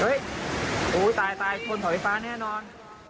เฮ้ยโอ้โฮตายตายถนถ่อไฟฟ้าแน่นอน